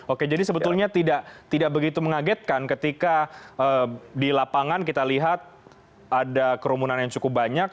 oke jadi sebetulnya tidak begitu mengagetkan ketika di lapangan kita lihat ada kerumunan yang cukup banyak